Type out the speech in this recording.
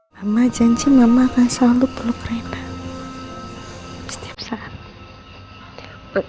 mama janji mama akan selalu peluk reina